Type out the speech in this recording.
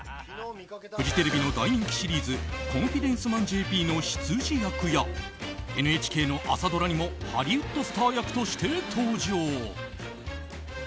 フジテレビの大人気シリーズ「コンフィデンスマンＪＰ」の執事役やＮＨＫの朝ドラにもハリウッドスター役として登場。